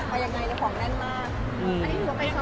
เราค่อยไปมารีก